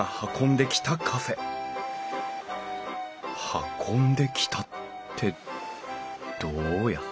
運んできたってどうやって？